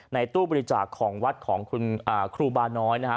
ตู้บริจาคของวัดของคุณครูบาน้อยนะฮะ